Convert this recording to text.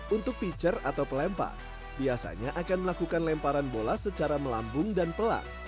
untuk pitcher atau pelempar biasanya akan melakukan lemparan bola secara melambung dan pelat